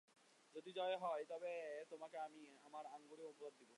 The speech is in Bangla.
যদি জয় হয় তবে তোমাকে আমার অঙ্গুরী উপহার দিব।